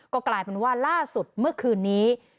ก็กลายเป็นว่าล่าสุดเมื่อคืนนี้